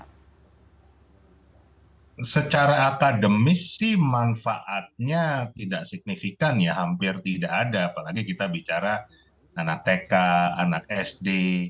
karena secara akademis sih manfaatnya tidak signifikan ya hampir tidak ada apalagi kita bicara anak tk anak sd